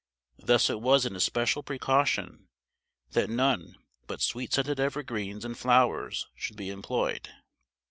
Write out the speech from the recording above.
Thus it was an especial precaution that none but sweet scented evergreens and flowers should be employed.